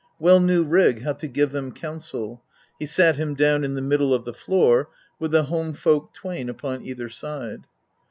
Well knew Rig how to give them counsel, he sat him down in the middle of the floor, with the home folk twain upon either side.